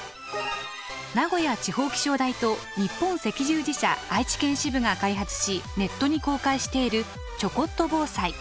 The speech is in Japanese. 名古屋地方気象台と日本赤十字社愛知県支部が開発しネットに公開している「ちょこっとぼうさい」。